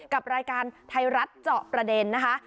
กับรายการไทยรัฐเจาะประเด็นนะคะ